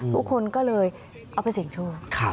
ทุกคนก็เลยเอาไปเสี่ยงโชค